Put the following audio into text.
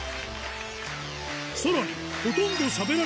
さらに